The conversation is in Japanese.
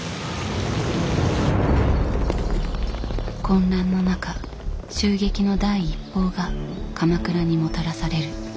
混乱の中襲撃の第一報が鎌倉にもたらされる。